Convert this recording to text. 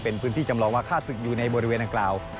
เป็นพื้นที่จำลองว่าฆ่าศึกอยู่ในบริเวณดังกล่าว